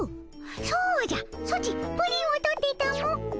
そうじゃソチプリンを取ってたも。